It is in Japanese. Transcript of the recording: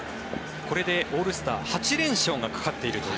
これでオールスター８連勝がかかっているという。